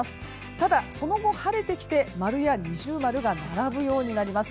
ただ、その後晴れてきて〇や◎が並ぶようになります。